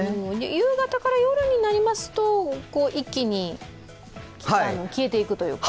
夕方から夜になりますと一気に消えていくというか。